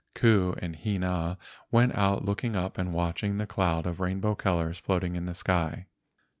Ku and Hina went out looking up and watch¬ ing the cloud of rainbow colors floating in the sky.